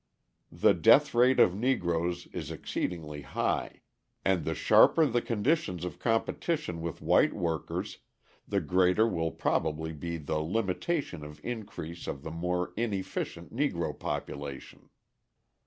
The death rate of Negroes is exceedingly high; and the sharper the conditions of competition with white workers, the greater will probably be the limitation of increase of the more inefficient Negro population.